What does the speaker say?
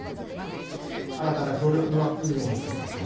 新たな協力の枠組みを発足させました。